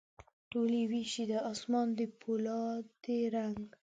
ټولي ویشي د اسمان د پولا دي رنګ،